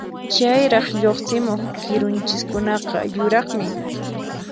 Chayraq lluqsimuq kirunchiskunaqa yuraqmi.